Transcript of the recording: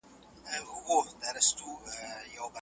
خیر محمد په خپل زړه کې د بډایه خلکو لپاره بښنه وغوښته.